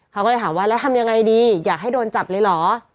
เขาก็เลยถามว่าแล้วทำยังไงดีอยากให้โดนจับเลยเหรอ